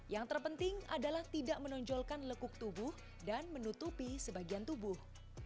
yang terpenting adalah tidak menonjolkan lekuk tubuh dan menutupi sebagian tubuh